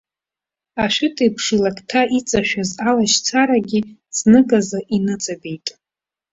Ашәытеиԥш илакҭа иҵашәыз алашьцарагь зныказы иныҵабеит.